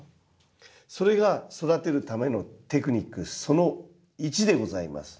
それが育てるためのテクニックその１でございます。